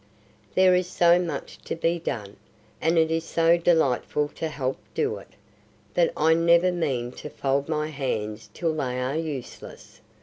There is so much to be done, and it is so delightful to help do it, that I never mean to fold my hands till they are useless.